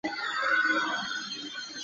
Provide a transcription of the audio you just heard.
岩生香薷为唇形科香薷属下的一个种。